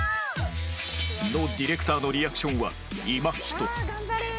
ノディレクターのリアクションは今ひとつ